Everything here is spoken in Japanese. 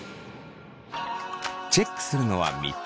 チェックするのは３つ。